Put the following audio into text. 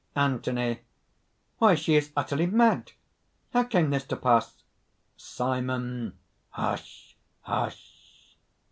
ANTHONY. "Why! she is utterly mad! How came this to pass?..." SIMON. "Hush! hush!"